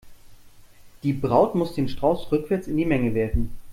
Die Braut muss den Strauß rückwärts in die Menge werfen.